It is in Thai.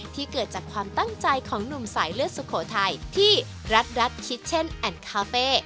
เกิดจากความตั้งใจของหนุ่มสายเลือดสุโขทัยที่รัฐคิดเช่นแอนด์คาเฟ่